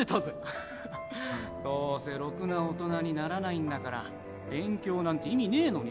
どうせろくな大人にならないんだから勉強なんて意味ねえのにな